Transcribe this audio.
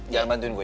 jangan bantuin gue